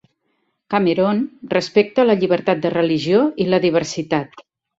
Cameroon respecta la llibertat de religió i la diversitat.